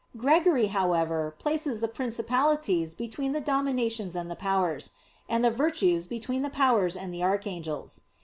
Gregory, however, places the "Principalities" between the "Dominations" and the "Powers"; and the "Virtues" between the "Powers" and the "Archangels."